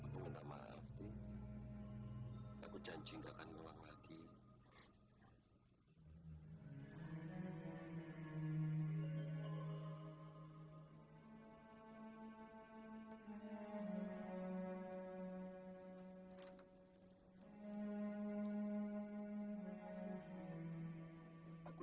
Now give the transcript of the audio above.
malam ini kita harus cari kerja banyak